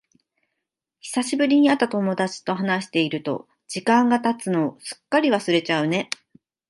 久しぶりに会った友達と話していると、時間が経つのをすっかり忘れちゃうね。